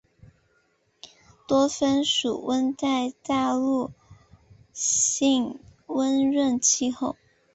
多芬属温带大陆性湿润气候。